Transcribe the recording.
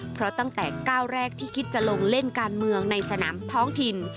เพราะตั้งแต่ก้าวแรกที่คิดจะลงเล่นการเมืองในสนามท้องถิ่น